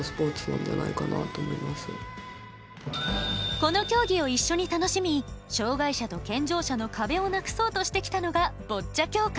この競技を一緒に楽しみ障がい者と健常者の壁をなくそうとしてきたのがボッチャ協会。